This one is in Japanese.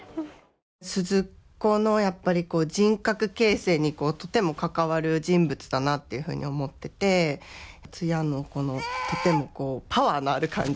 鈴子のやっぱり人格形成にとても関わる人物だなっていうふうに思っててツヤのこのとてもパワーのある感じ。